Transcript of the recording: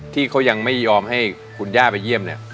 ที่เขายังไม่ยอมให้คุณย่าไปเยี่ยมเนี่ย